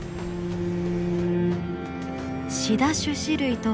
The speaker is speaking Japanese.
シダ種子類とは